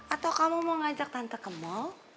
atau kamu mau ngajak tante ke mall